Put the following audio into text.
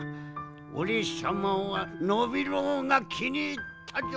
おれさまはノビローがきにいったぞ。